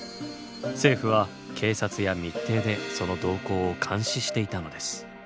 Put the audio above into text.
政府は警察や密偵でその動向を監視していたのです。